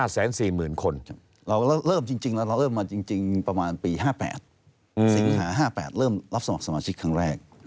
ศิกษา๕๘ก็เริ่มรับสมัครสมาชิกครั้งแรก